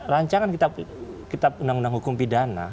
rancangan kitab undang undang hukum pidana